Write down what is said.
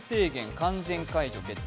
完全解除決定。